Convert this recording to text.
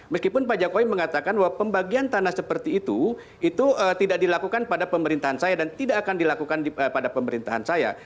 meskipun pak jokowi mengatakan bahwa pembagian tanah seperti itu itu tidak dilakukan pada pemerintahan saya dan tidak akan dilakukan pada pemerintahan saya